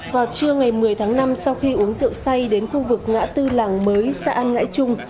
vào trưa ngày một mươi tháng năm sau khi uống rượu say đến khu vực ngã tư làng mới xã an ngãi trung